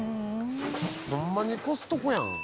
ホンマにコストコやん。